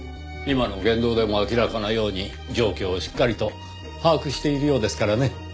今の言動でも明らかなように状況をしっかりと把握しているようですからね。